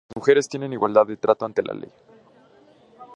Las mujeres tienen igualdad de trato ante la ley.